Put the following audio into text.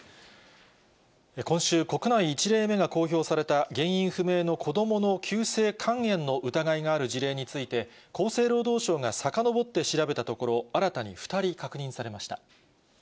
今週、国内１例目が公表された原因不明の子どもの急性肝炎の疑いがある事例について、厚生労働省がさかのぼって調べたところ、新たに２人確認されました。